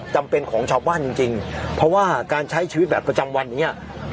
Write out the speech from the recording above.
จำเป็นของชาวบ้านจริงจริงเพราะว่าการใช้ชีวิตแบบประจำวันอย่างเงี้ย